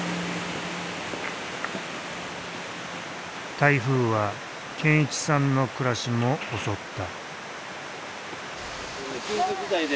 台風は健一さんの暮らしも襲った。